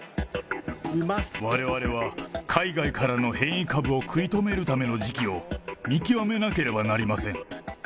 われわれは海外からの変異株を食い止めるための時期を見極めなければなりません。